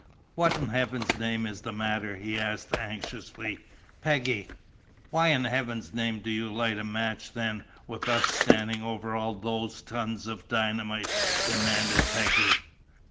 "What in heaven's name is the matter?" he asked anxiously. "Peggy " "Why in heaven's name do you light a match then, with us standing over all those tons of dynamite?" demanded Peggy.